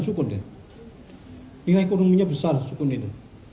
lahan dengan kemiringan empat puluh lereng